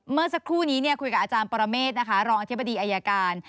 เมื่อสักครู่นี้คุยกับอาจารย์ปรเมฆนะคะรองอธิบดีอายการ